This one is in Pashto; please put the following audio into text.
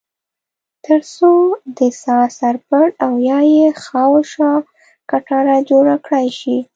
ترڅو د څاه سر پټ او یا یې خواوشا کټاره جوړه کړای شي.